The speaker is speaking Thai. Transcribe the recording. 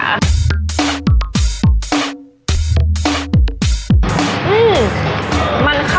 เยี่ยมพอหมานะคะ